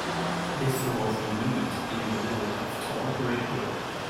This was unique in the world of talk radio.